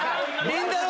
りんたろー。